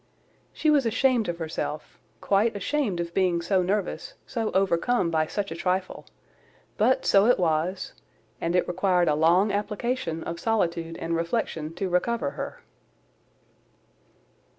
She was ashamed of herself, quite ashamed of being so nervous, so overcome by such a trifle; but so it was, and it required a long application of solitude and reflection to recover her.